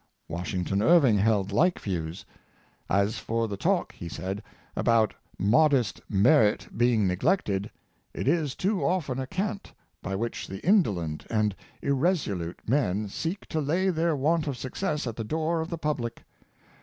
Washington Irving held like views. '' As for the talk," he said, " about modest merit being neglected, it is too often a cant, by which indolent and irresolute men seek to lay their want of success at the door of the public.